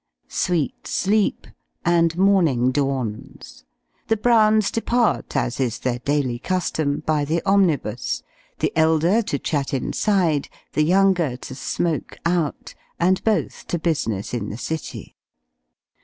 Sweet sleep and morning dawns. The Browns depart, as is their daily custom, by the omnibus the elder to chat inside, the younger to smoke out; and both to business in the city.